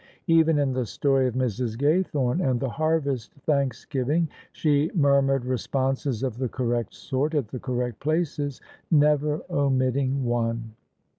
Even in the story of Mrs. Gay thorne and the harvest thanksgiving she murmured responses of the correct sort at the correct places, never omitting one.